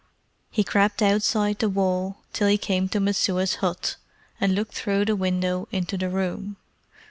He crept along outside the wall till he came to Messua's hut, and looked through the window into the room.